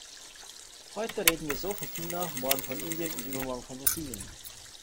Heute reden wir so von China, morgen von Indien, und übermorgen von Brasilien.